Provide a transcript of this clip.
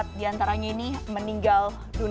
dan di antaranya juga meninggal